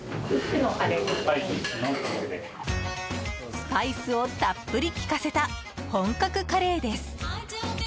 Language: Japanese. スパイスをたっぷり効かせた本格カレーです！